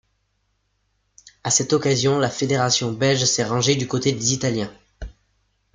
À cette occasion la fédération belge s'est rangée du côté des Italiens.